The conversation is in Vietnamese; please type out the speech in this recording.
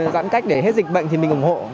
giãn cách để hết dịch bệnh thì mình ủng hộ